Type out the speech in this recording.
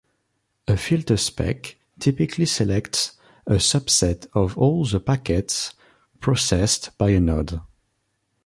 A "filterspec" typically selects a subset of all the packets processed by a node.